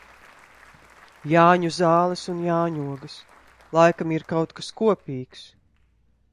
Jāņu zāles un jāņogas. Laikam ir kaut kas kopīgs?